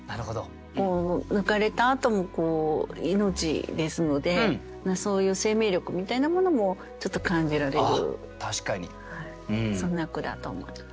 抜かれたあとも命ですのでそういう生命力みたいなものもちょっと感じられるそんな句だと思います。